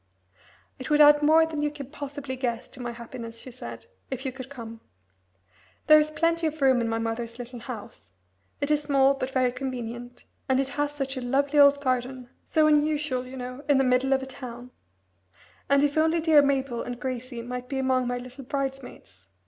"It would add more than you can possibly guess to my happiness," she said, "if you could come. There is plenty of room in my mother's little house. It is small, but very convenient, and it has such a lovely old garden, so unusual, you know, in the middle of a town; and if only dear Mabel and Gracie might be among my little bridesmaids!